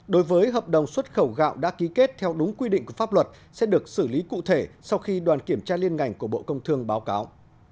đối với hợp đồng xuất khẩu gạo đã ký kết theo đúng quy định của pháp luật sẽ được xử lý cụ thể sau khi đoàn kiểm tra liên ngành của bộ công thương báo cáo